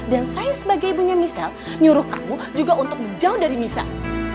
dan saya sebagai ibunya misal nyuruh kamu juga untuk menjauh dari misal